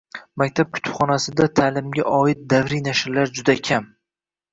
Maktab kutubxonasida ta’limga oid davriy nashrlar juda kam.